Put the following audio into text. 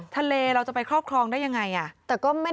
เราจะไปครอบครองได้ยังไง